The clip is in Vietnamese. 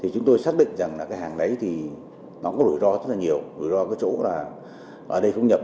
chúng tôi xác định rằng hàng đấy có rủi ro rất nhiều rủi ro ở chỗ là ở đây không nhập